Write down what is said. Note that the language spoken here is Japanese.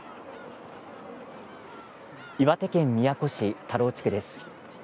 岩手県宮古市田老地区です。